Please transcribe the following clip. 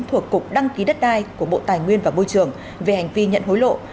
thuộc cục đăng ký đất đai của bộ tài nguyên và môi trường về hành vi nhận hối lộ